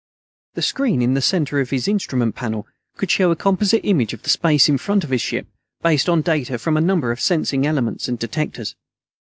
The screen in the center of his instrument panel could show a composite image of the space in front of his ship, based on data from a number of sensing elements and detectors.